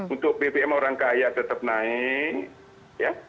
untuk bbm orang kaya tetap naik ya